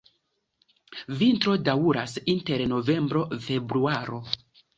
Vintro daŭras inter novembro-februaro.